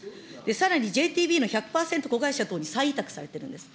さらにＪＴＢの１００％子会社に再委託されてるんです。